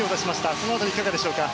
その辺り、いかがでしょうか。